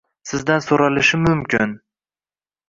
Sizdan so‘ralishi mumkin: